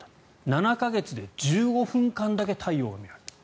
７か月で１５分間だけ太陽が見られた。